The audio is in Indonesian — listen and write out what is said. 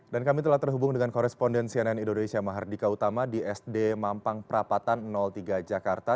dan kami telah terhubung dengan koresponden cnn indonesia mahardika utama di sd mampang prapatan tiga jakarta